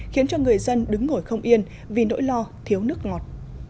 khiến cho người dân đứng ngồi không yên vì nỗi lo thiếu nước ngọt